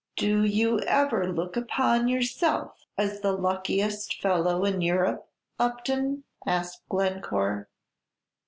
"Do you ever look upon yourself as the luckiest fellow in Europe, Upton?" asked Glencore.